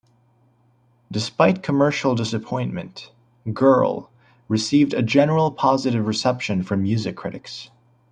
Despite commercial disappointment, "Girl" received a generally positive reception from music critics.